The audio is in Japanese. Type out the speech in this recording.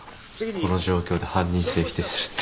この状況で犯人性否定するって。